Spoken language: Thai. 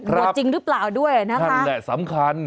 จริงหรือเปล่าด้วยนะครับนั่นแหละสำคัญ